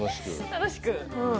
楽しく。